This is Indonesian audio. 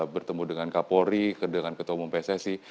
bertemu dengan kapolri dengan ketua umum pssi